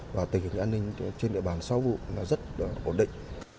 và tình hình an ninh trên địa bàn sáu vụ rất ổn định